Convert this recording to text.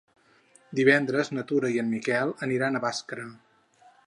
Divendres na Tura i en Miquel aniran a Bàscara.